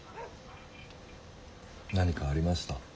何かありました？